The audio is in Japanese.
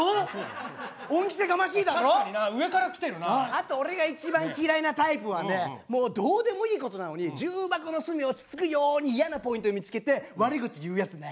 あと俺が一番嫌いなタイプはねもうどうでもいいことなのに重箱の隅をつつくように嫌なポイントを見つけて悪口言うやつね。